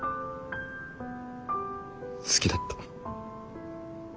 好きだった。